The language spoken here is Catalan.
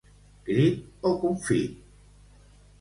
Crit o confit.